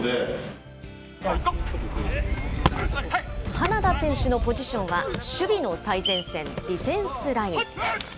花田選手のポジションは守備の最前線、ディフェンスライン。